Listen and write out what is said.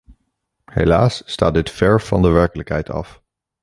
Helaas staat dit ver van de werkelijkheid af.